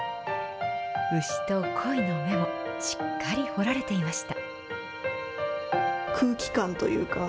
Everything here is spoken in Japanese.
牛とこいの目もしっかり彫られていました。